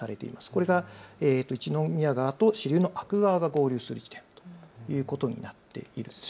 これが一宮川と支流のかく川が合流する地点ということになっています。